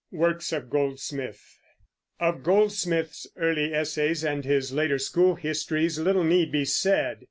WORKS OF GOLDSMITH. Of Goldsmith's early essays and his later school histories little need be said.